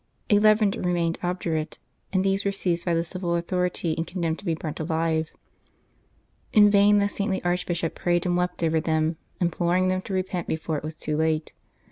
Eleven remained obdurate, and these were seized by the civil authority and condemned to be burnt alive. In vain the saintly Archbishop prayed and wept over them, imploring them to repent before it was too late.